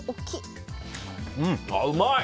うまい！